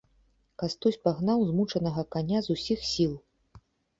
Кастусь пагнаў змучанага каня з усіх сіл.